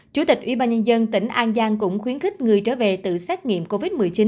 chủ tịch ubnd tỉnh an giang cũng khuyến khích người trở về tự xét nghiệm covid một mươi chín